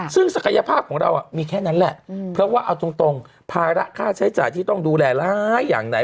ซึ่งศักยภาพของเรามีแค่นั้นแหละเพราะว่าเอาตรงภาระค่าใช้จ่ายที่ต้องดูแลร้ายอย่างไหน